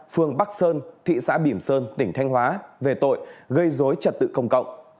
phương bắc sơn thị xã biểm sơn tỉnh thanh hóa về tội gây dối trật tự công cộng